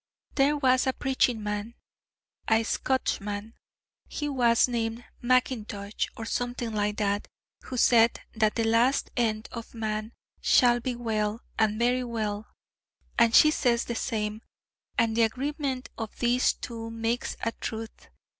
There was a preaching man a Scotchman he was, named Macintosh, or something like that who said that the last end of Man shall be well, and very well: and she says the same: and the agreement of these two makes a Truth.